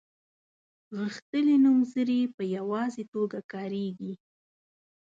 غښتلي نومځري په یوازې توګه کاریږي.